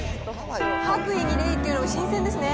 白衣にレイっていうの、新鮮ですね。